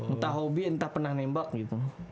entah hobi entah pernah nembak gitu